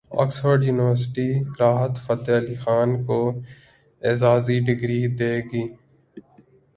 Oxford university Rahat Fateh Ali Khan کو اعزازی degree دے گی